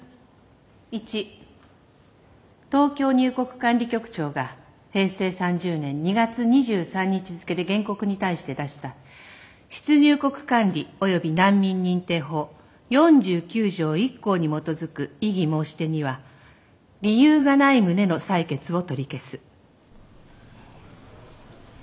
一東京入国管理局長が平成３０年２月２３日付で原告に対して出した出入国管理及び難民認定法４９条１項に基づく異議申し出には理由がない旨の裁決を取り消す」。